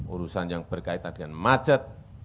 urusan yang berkaitan dengan macet